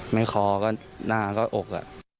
ไม่คอก็หน้าก็อกล่อ